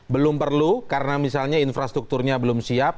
belum perlu karena misalnya infrastrukturnya belum siap